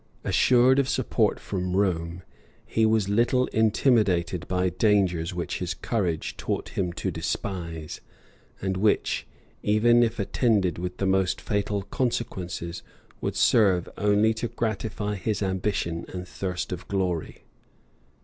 Assured of support from Rome, he was little intimidated by dangers which his courage taught him to despise, and which, even if attended with the most fatal consequences, would serve only to gratify his ambition and thirst of glory.